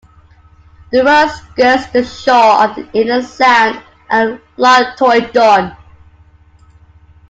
The road skirts the shore of the Inner Sound and Loch Torridon.